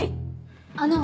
あの。